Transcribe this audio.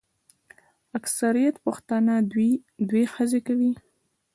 اکثریت پښتانه دوې ښځي کوي.